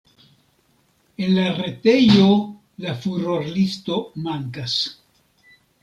En la retejo la furorlisto mankas.